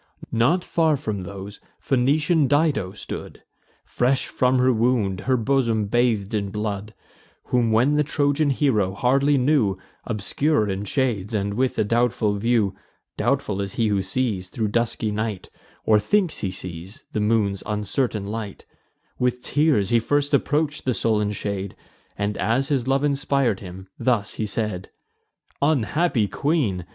Not far from these Phoenician Dido stood, Fresh from her wound, her bosom bath'd in blood; Whom when the Trojan hero hardly knew, Obscure in shades, and with a doubtful view, (Doubtful as he who sees, thro' dusky night, Or thinks he sees, the moon's uncertain light,) With tears he first approach'd the sullen shade; And, as his love inspir'd him, thus he said: "Unhappy queen!